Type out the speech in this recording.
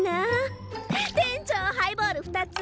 店長ハイボール２つ！